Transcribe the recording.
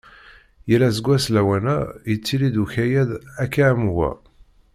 Yal aseggas lawan-a, yettili-d ukayad akka am wa.